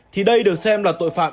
thì đây được xem là tội phạm